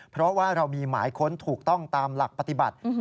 เพราะว่าเรามีหมายค้นถูกต้องตามหลักปฏิบัติ